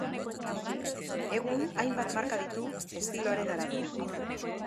Egun hainbat marka ditu, estiloaren arabera.